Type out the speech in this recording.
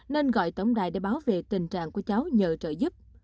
nên gọi tổng đài để bảo vệ tình trạng của cháu nhờ trợ giúp